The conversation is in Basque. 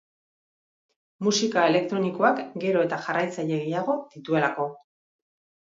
Musika elektronikoak gero eta jarraitzaile gehiago dituelako.